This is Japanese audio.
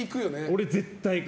俺、絶対行く。